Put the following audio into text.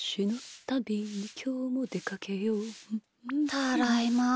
ただいま。